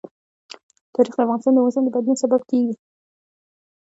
تاریخ د افغانستان د موسم د بدلون سبب کېږي.